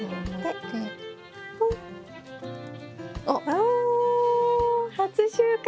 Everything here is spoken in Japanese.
お初収穫。